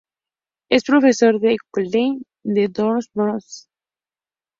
Es profesor de la École des Beaux-Arts du Havre.